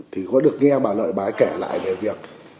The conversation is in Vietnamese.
thì có được nghe bà lợi bà ấy kể lại về việc